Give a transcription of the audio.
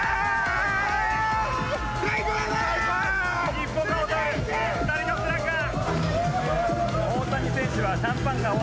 日本が誇る２人のスラッガー。